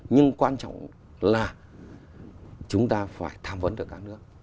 nhưng quan trọng là chúng ta phải tham vấn được các nước